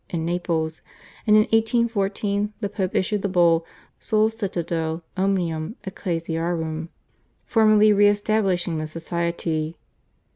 in Naples, and in 1814 the Pope issued the Bull, /Sollicitudo omnium Ecclesiarum/ formally re establishing the Society.